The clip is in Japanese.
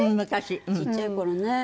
ちっちゃい頃ね。